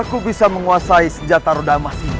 aku bisa menguasai senjata rodamas ini